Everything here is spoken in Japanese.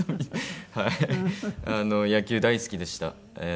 野球大好きでした。